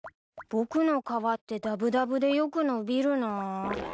僕の皮ってダブダブでよく伸びるなぁ。